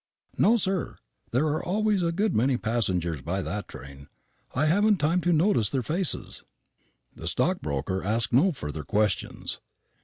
"No, sir. There are always a good many passengers by that train; I haven't time to notice their faces." The stockbroker asked no further questions.